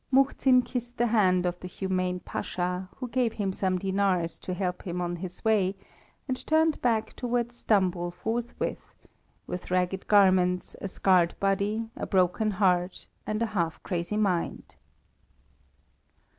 Muhzin kissed the hand of the humane Pasha, who gave him some dinars to help him on his way, and turned back towards Stambul forthwith, with ragged garments, a scarred body, a broken heart, and a half crazy mind.